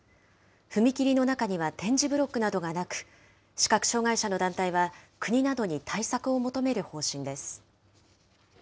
踏切の中には点字ブロックなどがなく、視覚障害者の団体は、国などに対策を求める方針です。